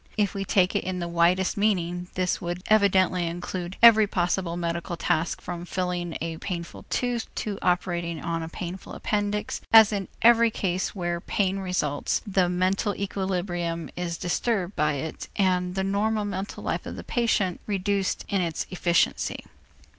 If we take it in the widest meaning, this would evidently include every possible medical task from filling a painful tooth to operating on a painful appendix, as in every case where pain results, the mental equilibrium is disturbed by it and the normal mental life of the patient reduced in its efficiency.